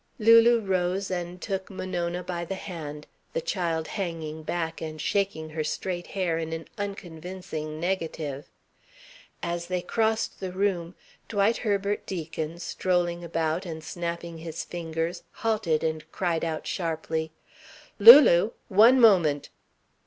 Lulu rose and took Monona by the hand, the child hanging back and shaking her straight hair in an unconvincing negative. As they crossed the room, Dwight Herbert Deacon, strolling about and snapping his fingers, halted and cried out sharply: "Lulu. One moment!"